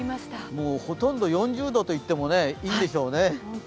もうほとんど４０度といってもいいでしょうね。